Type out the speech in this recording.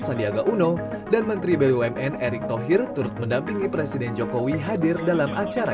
sandiaga uno dan menteri bumn erick thohir turut mendampingi presiden jokowi hadir dalam acara